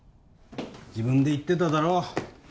自分で言ってただろ？